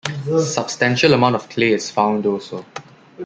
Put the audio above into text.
Substantial amount of clay is found also.